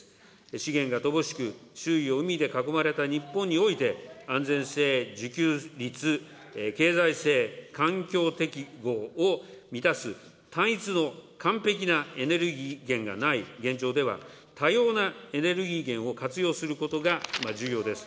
資源が乏しく、周囲を海で囲まれた日本において、安全性、需給率、経済性、環境適合を満たす単一の完璧なエネルギー源がない現状では、多様なエネルギー源を活用することが重要です。